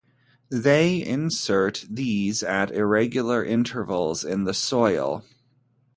They insert these at irregular intervals in the soil.